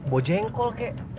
bawa jengkol kek